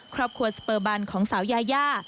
ครอบครัวสเปอร์บันของสาวยายา